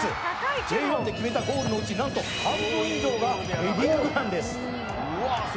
Ｊ１で決めたゴールのうちなんと半分以上がヘディングなんです。